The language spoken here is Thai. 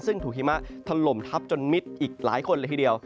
ซึ่งถูกหิมะถล่มทับจนมิดอีกหลายคนเลยทีเดียว